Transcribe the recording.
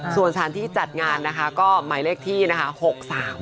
ส่วนสถานที่จัดงานนะคะก็หมายเลขที่นะคะ